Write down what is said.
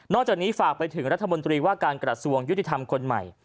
จากนี้ฝากไปถึงรัฐมนตรีว่าการกระทรวงยุติธรรมคนใหม่